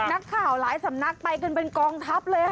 นักข่าวหลายสำนักไปกันเป็นกองทัพเลยค่ะ